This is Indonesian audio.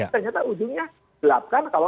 ternyata ujungnya gelap kan kalau